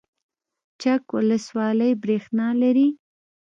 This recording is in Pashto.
چک ولسوالۍ بریښنا لري؟